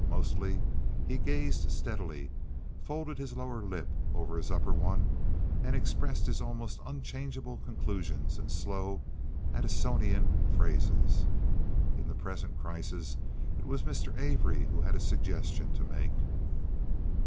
Mostly he gazed steadily, folded his lower lip over his upper one, and expressed his almost unchangeable conclusions in slow Addisonian phrases. In the present crisis it was Mr. Avery who had a suggestion to make.